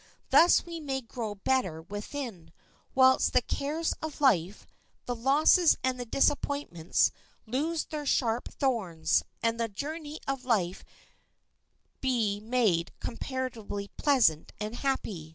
Thus we may grow better within, whilst the cares of life, the losses and the disappointments lose their sharp thorns, and the journey of life be made comparatively pleasant and happy.